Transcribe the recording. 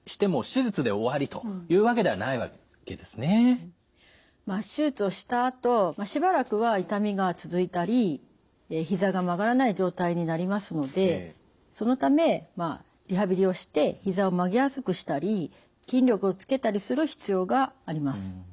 手術をしたあとしばらくは痛みが続いたりひざが曲がらない状態になりますのでそのためリハビリをしてひざを曲げやすくしたり筋力をつけたりする必要があります。